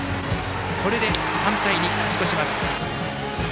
これで３対２、勝ち越します。